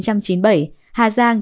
hà giang chín trăm sáu mươi tám